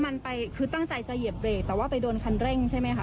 ไปเหยียบเบรกคือตั้งใจจะเหยียบเบรกแต่ว่าไปโดนคันเร่งใช่ไหมคะ